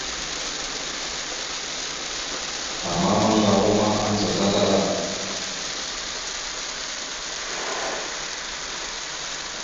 Ama maŋgawa ma andza slaslaɗa.